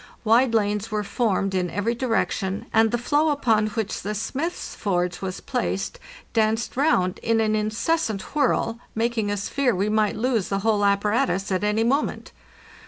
Wide lanes were formed in every direction, and the floe upon which the smith's forge was placed danced round in an incessant whirl, making us fear we might lose the whole apparatus at any moment.